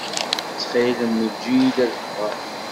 Ttxil-m eǧǧ-iyi ad ffɣeɣ.